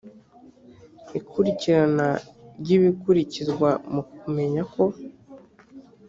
ikurikirana ry ibikurikizwa mu kumenya ko